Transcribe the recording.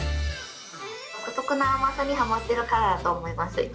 独特な甘さにはまっているからだと思います。